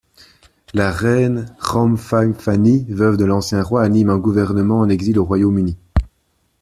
La Reine Ramphaiphanni, veuve de l'ancien Roi, anime un gouvernement en exil au Royaume-Uni.